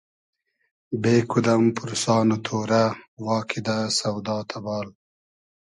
بې کودئم پورسان و تۉرۂ وا کیدۂ سۆدا تئبال